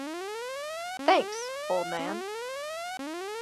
Thanks, old man.